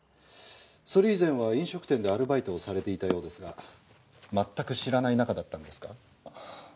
それ以前は飲食店でアルバイトをされていたようですが全く知らない仲だったんですか？